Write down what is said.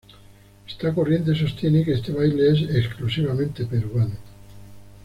Esta corriente sostiene que este baile es exclusivamente peruano.